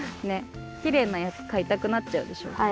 ねっきれいなやつかいたくなっちゃうでしょ。